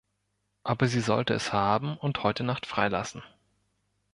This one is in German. Aber sie sollte es haben und heute Nacht freilassen.